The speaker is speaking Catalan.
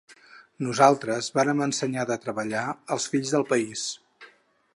Nosaltres vàrem ensenyar de treballar als fills del país…